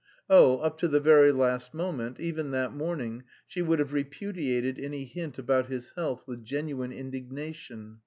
Oh, up to the very last moment, even that morning she would have repudiated any hint about his health with genuine indignation.